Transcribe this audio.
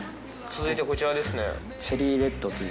続いてこちらですね。